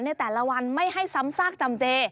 ในแต่ละวันไม่ให้ซ้ำซากจำเจ